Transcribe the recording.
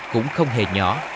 chứa khá hữu